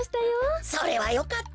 それはよかったのだ。